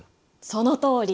そのとおり。